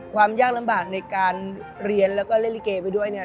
ความยากลำบากในการเรียนแล้วก็เล่นลิเกไปด้วยเนี่ย